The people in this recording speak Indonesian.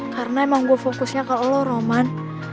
karena emang gue fokusnya ke lo roman